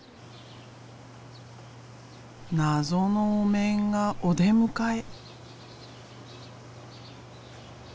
謎のお面がお出迎え。